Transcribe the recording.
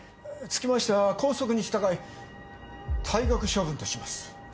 つきましては校則に従い退学処分とします。